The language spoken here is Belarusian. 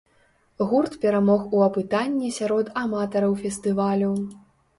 Гурт перамог у апытанні сярод аматараў фестывалю.